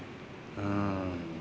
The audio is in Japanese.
うん。